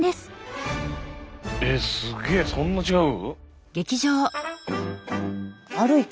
えっすげえそんな違う？